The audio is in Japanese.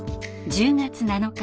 １０月７日